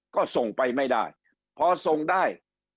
ก็ส่งไปไม่ได้พอส่งได้